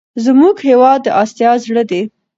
زموږ هېواد د اسیا زړه دی.